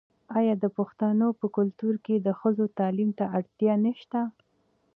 آیا د پښتنو په کلتور کې د ښځو تعلیم ته اړتیا نشته؟